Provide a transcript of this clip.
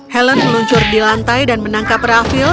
helen meluncur di lantai dan menangkap rafil